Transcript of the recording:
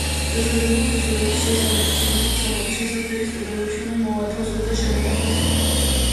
სასარგებლო თვისებების შესანარჩუნებლად საკვები შესაფერის პირობებში უნდა მოვათავსოთ და შევინახოთ.